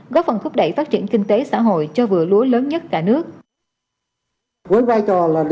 góp phần thúc đẩy phát triển kinh tế xã hội cho vựa lúa lớn nhất cả nước